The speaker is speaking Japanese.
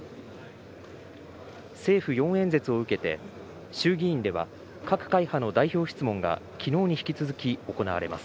政府４演説を受けて、衆議院では、各会派の代表質問が、きのうに引き続き行われます。